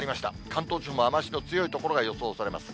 関東地方も雨足の強い所が予想されます。